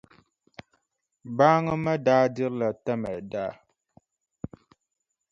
Baaŋa ma daa dirila Tamali daa.